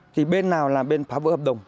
thì bên nào là bên phá vỡ hợp đồng